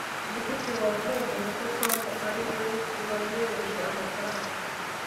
nigute wavumbuye ko tom ariwe wanyereje amafaranga